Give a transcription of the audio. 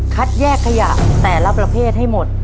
แยกขยะแต่ละประเภทให้หมด